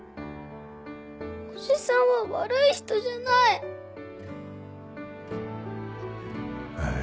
おじさんは悪い人じゃないえ